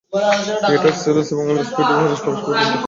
Peter Sellers এবং Alex Pettyfer পরস্পরের বন্ধু।